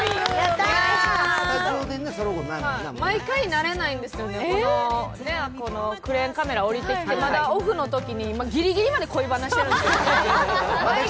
毎回慣れないんですよね、クレーンカメラ降りてきて、オフのときにギリギリまで恋バナしてるんですよね。